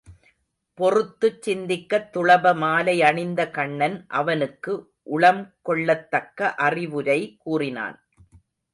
பொறுத்துச் சிந்திக்கத் துளப மாலை அணிந்த கண்ணன் அவனுக்கு உளம் கொள்ளத்தக்க அறிவுரை கூறினான்.